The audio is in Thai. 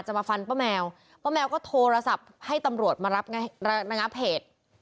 มาฟันป้าแมวป้าแมวก็โทรศัพท์ให้ตำรวจมารับระงับเหตุ